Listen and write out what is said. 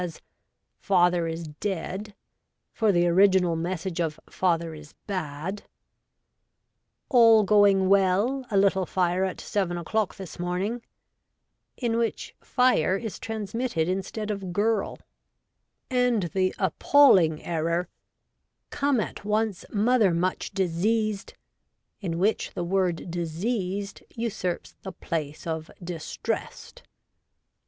137 as ' father is dead,' for the original message of ' father is bad '; 'all going well : a little fire at 7 o'clock this morning,' in which ' fire ' is transmitted instead of ' girl '; and the appalling error ' Come at once : mother much diseased', in which the word ' diseased ' usurps the place of ' distressed.'